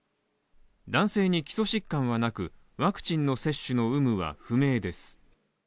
男性に基礎疾患はなく、ワクチンの接種の有無は不明です。